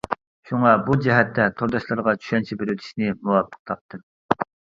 شۇڭا بۇ جەھەتتە تورداشلارغا چۈشەنچە بېرىۋېتىشنى مۇۋاپىق تاپتىم.